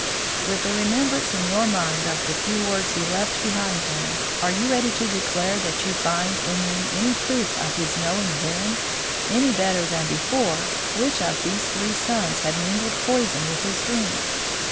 With the remembrance in your mind of the few words he left behind him, are you ready to declare that you find in them any proof of his knowing then, any better than before, which of his three sons had mingled poison with his drink?